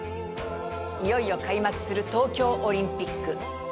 いよいよ開幕する東京オリンピック。